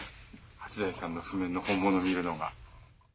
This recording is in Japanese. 八大さんの譜面の本物見るのが。